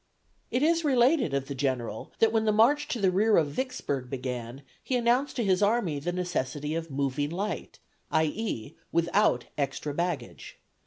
"It is related of the General that when the march to the rear of Vicksburg began he announced to his army the necessity of 'moving light,' i. e., without extra baggage.